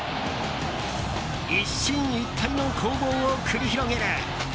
一進一退の攻防を繰り広げる。